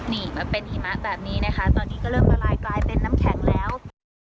นี่มาเป็นหิมะแบบนี้นะคะตอนนี้ก็เริ่มละลายกลายเป็นน้ำแข็งแล้ว